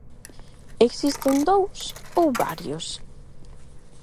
Existen dous ou varios?